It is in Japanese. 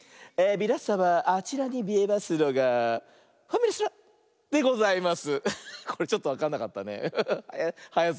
みなさまあちらにみえますのが「ファミレストラン」でございます。